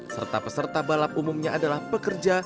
serta peserta balap umumnya adalah pekerja